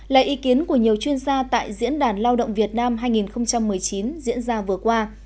là ý kiến của nhiều chuyên gia tại diễn đàn lao động việt nam hai nghìn một mươi chín diễn ra vừa qua